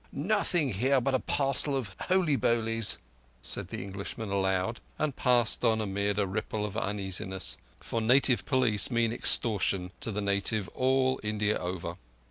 "Nothing here but a parcel of holy bolies," said the Englishman aloud, and passed on amid a ripple of uneasiness; for native police mean extortion to the native all India over.